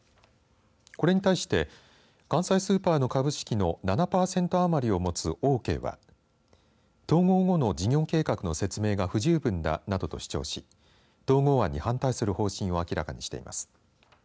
これに対して関西スーパーの株式の７パーセント余りを持つオーケーは統合後の事業計画の説明が不十分だ、などと主張し統合案に反対する方針を明らかにしています。